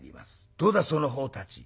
「どうだそのほうたち。